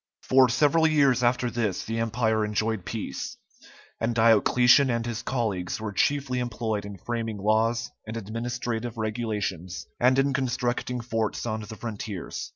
For several years after this the empire enjoyed peace, and Diocletian and his colleagues were chiefly employed in framing laws and administrative regulations, and in constructing forts on the frontiers.